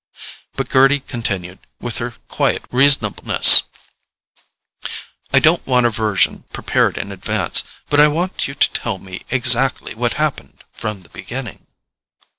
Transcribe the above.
But Gerty continued with her quiet reasonableness: "I don't want a version prepared in advance—but I want you to tell me exactly what happened from the beginning."